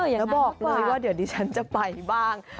แล้วบอกเลยว่าเดี๋ยวดิฉันจะไปบ้าง